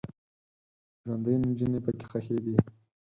ژوندۍ نجونې پکې ښخیدې.